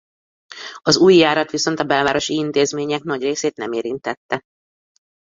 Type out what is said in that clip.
Az új járat viszont a belvárosi intézmények nagyrészét nem érintette.